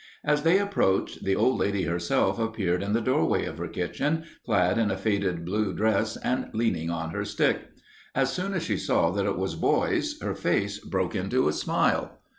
As they approached, the old lady herself appeared in the doorway of her kitchen, clad in a faded blue dress and leaning on her stick. As soon as she saw that it was boys her face broke into a smile.